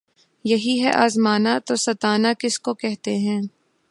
یہی ہے آزمانا‘ تو ستانا کس کو کہتے ہیں!